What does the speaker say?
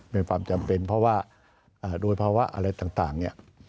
เป็นความจำเป็นเพราะว่าโดยเพราะว่าอะไรต่างเนี่ย